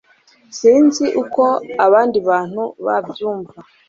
sinzi uko abandi bantu babyumva